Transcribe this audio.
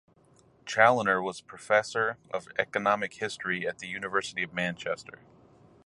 Chaloner was Professor of Economic History at the University of Manchester.